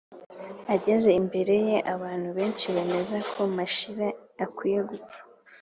ageze imbere ye abantu benshi bemeza ko mashira akwiye gupfa.